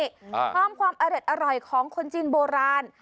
ที่คลอมความอริจอร่อยของคนจีนโบราณ